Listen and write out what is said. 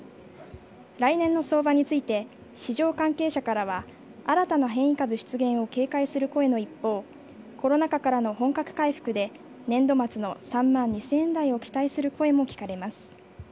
来年の相場について市場関係者からは新たな変異株出現を警戒する声の一方コロナ禍からの本格回復で年度末の３万２０００円台を期待する声も聞かれます。